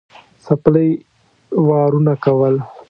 څپلۍ وارونه کول.